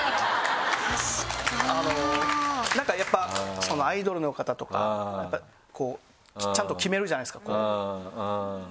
なんかやっぱアイドルの方とかちゃんと決めるじゃないですか。